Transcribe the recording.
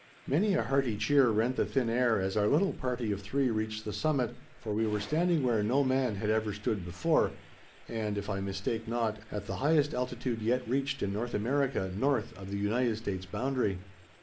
] Many a hearty cheer rent the thin air as our little party of three reached the summit, for we were standing where no man had ever stood before, and, if I mistake not, at the highest altitude yet reached in North America north of the United States boundary.